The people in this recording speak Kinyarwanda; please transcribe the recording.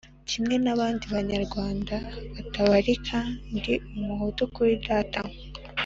Kimwe n'abandi banyarwanda batabarika, ndi Umuhutu kuri Data